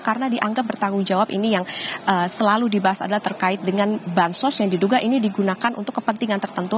karena dianggap bertanggung jawab ini yang selalu dibahas adalah terkait dengan bansos yang diduga ini digunakan untuk kepentingan tertentu